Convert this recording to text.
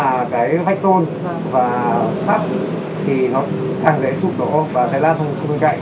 thì nó càng dễ sụp đổ và cháy lan sang bên cạnh